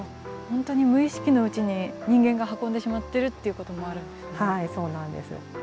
本当に無意識のうちに人間が運んでしまってるっていうこともあるんですね。